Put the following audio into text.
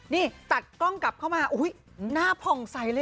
นี่ตัดกล้องกลับเข้ามาอุ้ยหน้าผ่องใสเลย